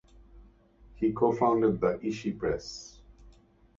He co-founded the Ishi Press.